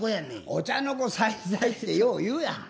「お茶の子さいさい」ってよう言うやん。